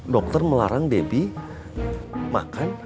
dokter melarang debbie makan